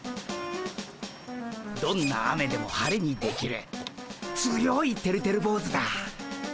どんな雨でも晴れにできる強いてるてる坊主だ。